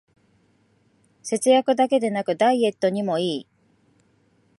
節約だけでなくダイエットにもいい